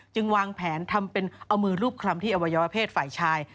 วางแผนทำเป็นเอามือรูปคลำที่อวัยวะเพศฝ่ายชาย